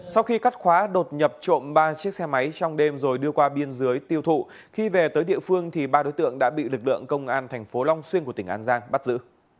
sau khi cắt khóa đột nhập trộm ba chiếc xe máy trong đêm rồi đưa qua biên giới tiêu thụ khi về tới địa phương thì ba đối tượng đã bị lực lượng công an thành phố long xuyên của tỉnh an giang bắt giữ